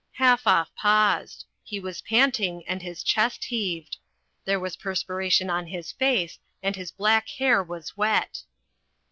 Halfoff paused. He was panting and his chest heaved. There was perspiration on his face and his black hair was wet.